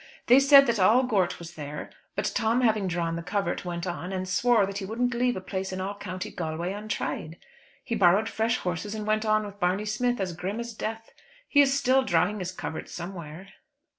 They said that all Gort was there; but Tom having drawn the covert, went on, and swore that he wouldn't leave a place in all County Galway untried. He borrowed fresh horses, and went on with Barney Smith as grim as death. He is still drawing his covert somewhere."